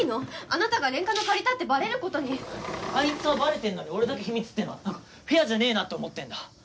あなたがレンカノ借りたってばれることにあいつはばれてんのに俺だけ秘密ってのはなんかフェアじゃねぇなって思ってんだ